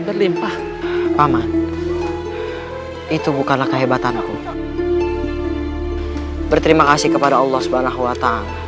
berlimpah paman itu bukanlah kehebatan aku berterima kasih kepada allah swt